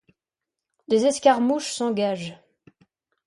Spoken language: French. Des escarmouches s'engagent.